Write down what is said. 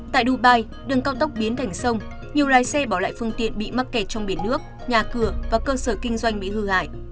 tại dubai đường cao tốc biến thành sông nhiều lái xe bỏ lại phương tiện bị mắc kẹt trong biển nước nhà cửa và cơ sở kinh doanh bị hư hại